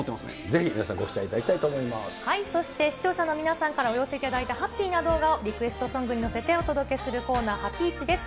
ぜひ皆さんご期待いただきたそして、視聴者の皆さんからお寄せいただいたハッピーな動画を、リクエストソングに乗せてお届けするコーナー、ハピイチです。